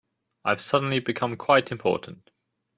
I've suddenly become quite important.